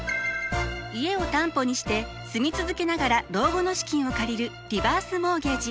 家を担保にして住み続けながら老後の資金を借りるリバースモーゲージ。